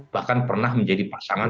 bahkan pernah menjadi pasangan